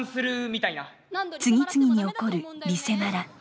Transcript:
次々に起こるリセマラ。